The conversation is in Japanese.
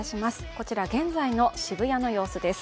こちら、現在の渋谷の様子です。